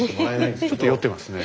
スタジオちょっと酔ってますね。